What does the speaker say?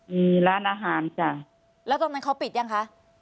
มีร้านอาหารจ้ะแล้วตรงนั้นเขาปิดยังคะ